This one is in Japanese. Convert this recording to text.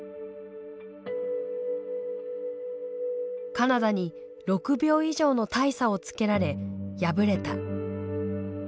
カナダに６秒以上の大差をつけられ敗れた。